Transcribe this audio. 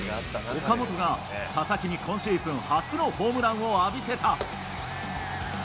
岡本が佐々木に今シーズン初のホームランを浴びせた。